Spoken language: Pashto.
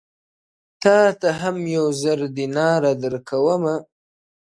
تاته هم یو زر دیناره درکومه-